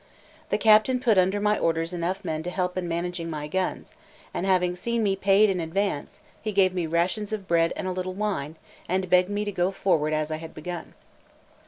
The captain put under my orders enough men to help in managing my guns, and having seen me paid in advance, he gave me rations of bread and a little wine, and begged me to go forward as I had begun.